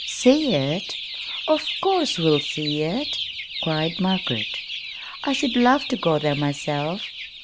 "See it? Of course we'll see it," cried Margaret. "I should love to go there myself.